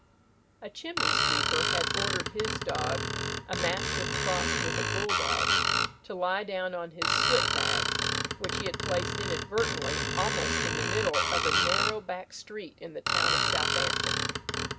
A chimney sweeper had ordered his dog, a mastiff crossed with a bull dog, to lie down on his soot bag, which he had placed inadvertently almost in the middle of a narrow back street in the town of Southampton.